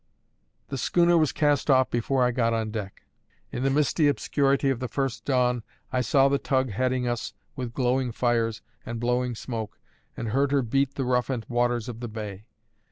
The schooner was cast off before I got on deck. In the misty obscurity of the first dawn, I saw the tug heading us with glowing fires and blowing smoke, and heard her beat the roughened waters of the bay.